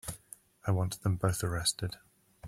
I want them both arrested.